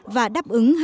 và đáp ứng hai mươi một